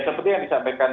seperti yang disampaikan